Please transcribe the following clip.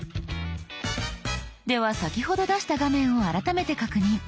では先ほど出した画面を改めて確認。